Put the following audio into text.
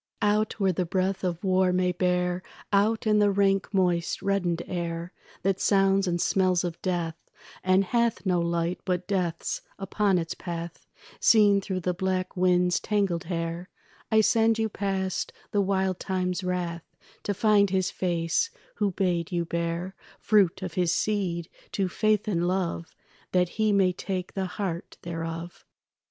Out where the breath of war may bear, Out in the rank moist reddened air That sounds and smells of death, and hath No light but death's upon its path Seen through the black wind's tangled hair, I send you past the wild time's wrath To find his face who bade you bear Fruit of his seed to faith and love, That he may take the heart thereof.